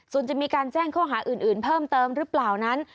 ส่วนจะมีการแจ้งข้อหาอื่นเพิ่มเติมหรือเปล่านั้น